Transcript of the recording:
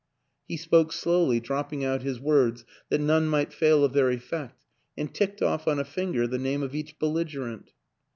He spoke slowly, dropping out his words that none might fail of their effect and ticked off on a finger the name of each belligerent.